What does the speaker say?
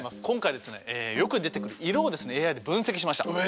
今回ですねよく出てくる色をＡＩで分析しました。